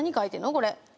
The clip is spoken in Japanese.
これ。